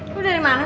lu dari mana sih